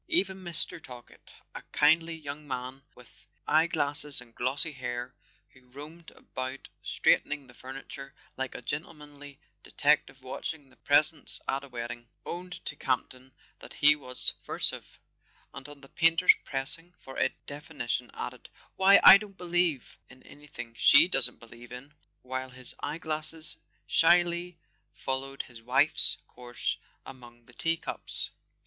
Even Mr. Talkett—a kindly young man with eye¬ glasses and glossy hair, who roamed about straightening the furniture, like a gentlemanly detective watching the presents at a wedding—owned to Campton that he was subversive; and on the painter's pressing for a definition, added: "Why, I don't believe in anything she doesn't believe in," while his eye glasses shyly followed his wife's course among the teacups.